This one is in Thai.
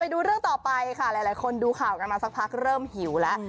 ดูเรื่องต่อไปค่ะหลายคนดูข่าวกันมาสักพักเริ่มหิวแล้ว